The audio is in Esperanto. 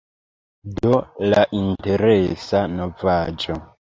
Do, la interesa novaĵo.